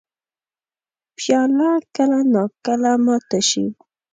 پیاله کله نا کله ماته شي.